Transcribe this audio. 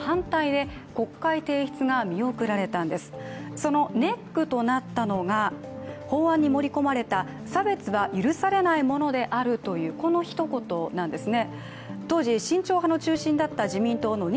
そのネックとなったのが法案に盛り込まれた差別は許されないものであるというこのひと言なんですね。